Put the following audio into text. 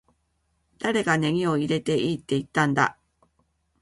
誰がネギを入れていいって言ったんだ